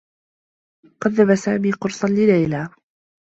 قدّم سامي قرصا لليلى.